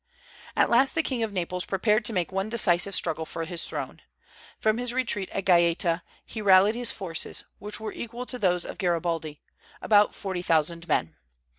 At last the King of Naples prepared to make one decisive struggle for his throne. From his retreat at Gaeta he rallied his forces, which were equal to those of Garibaldi, about forty thousand men.